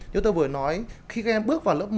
như tôi vừa nói khi các em bước vào lớp một